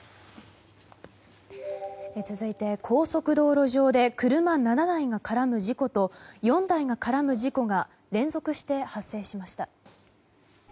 続いて、高速道路上で車７台が絡む事故と４台が絡む事故が連続して発生しました。